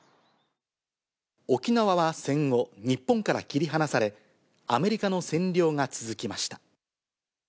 沖縄は戦後、日本から切り離され、アメリカの占領が続きました。